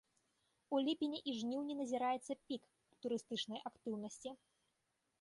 У ліпені і жніўні назіраецца пік турыстычнай актыўнасці.